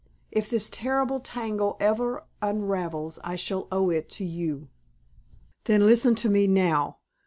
If this terrible tangle ever unravels I shall owe it to you." "Then listen to me now.